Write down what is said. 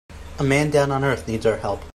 A man down on earth needs our help.